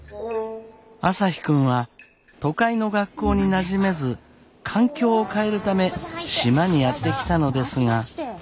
朝陽君は都会の学校になじめず環境を変えるため島にやって来たのですが。